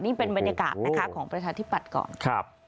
นี้เป็นบรรยากาศของประศาจิปรัติกร